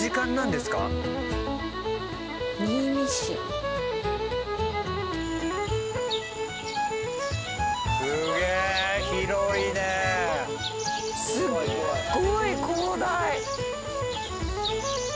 すっごい広大！